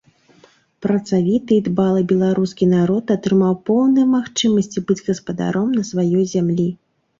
Працавіты і дбалы беларускі народ атрымаў поўныя магчымасці быць гаспадаром на сваёй зямлі.